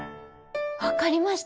分かりました！